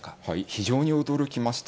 非常に驚きました。